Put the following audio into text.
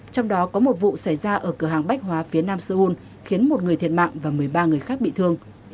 trong đó có một vụ xảy ra ở cửa hàng bách hóa phía nam seoul khiến một người thiệt mạng và một mươi ba người khác bị thương